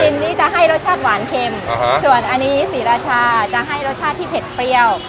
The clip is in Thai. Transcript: หอยซินนี่จะให้รสชาติหวานเข็มอ่าฮะส่วนอันนี้สีราชาจะให้รสชาติที่เผ็ดเปรี้ยว